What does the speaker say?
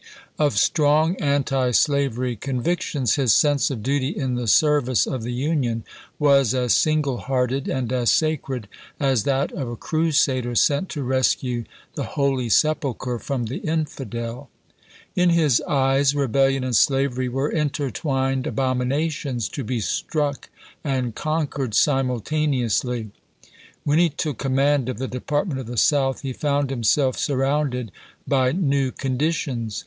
Of strong antislavery convictions, his sense of duty in the service of the Union was as single hearted and as sacred as that of a Crusader sent to rescue the Holy Sepulcher from the Infidel. In his eyes rebellion and slavery were intertwined abomi nations to be struck and conquered simultaneously. When he took command of the Department of the South he found himself surrounded by new 1862. conditions.